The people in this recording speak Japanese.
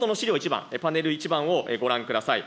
１番、パネル１番をご覧ください。